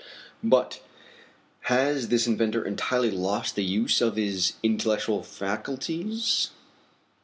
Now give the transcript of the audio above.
But has this inventor entirely lost the use of his intellectual faculties?"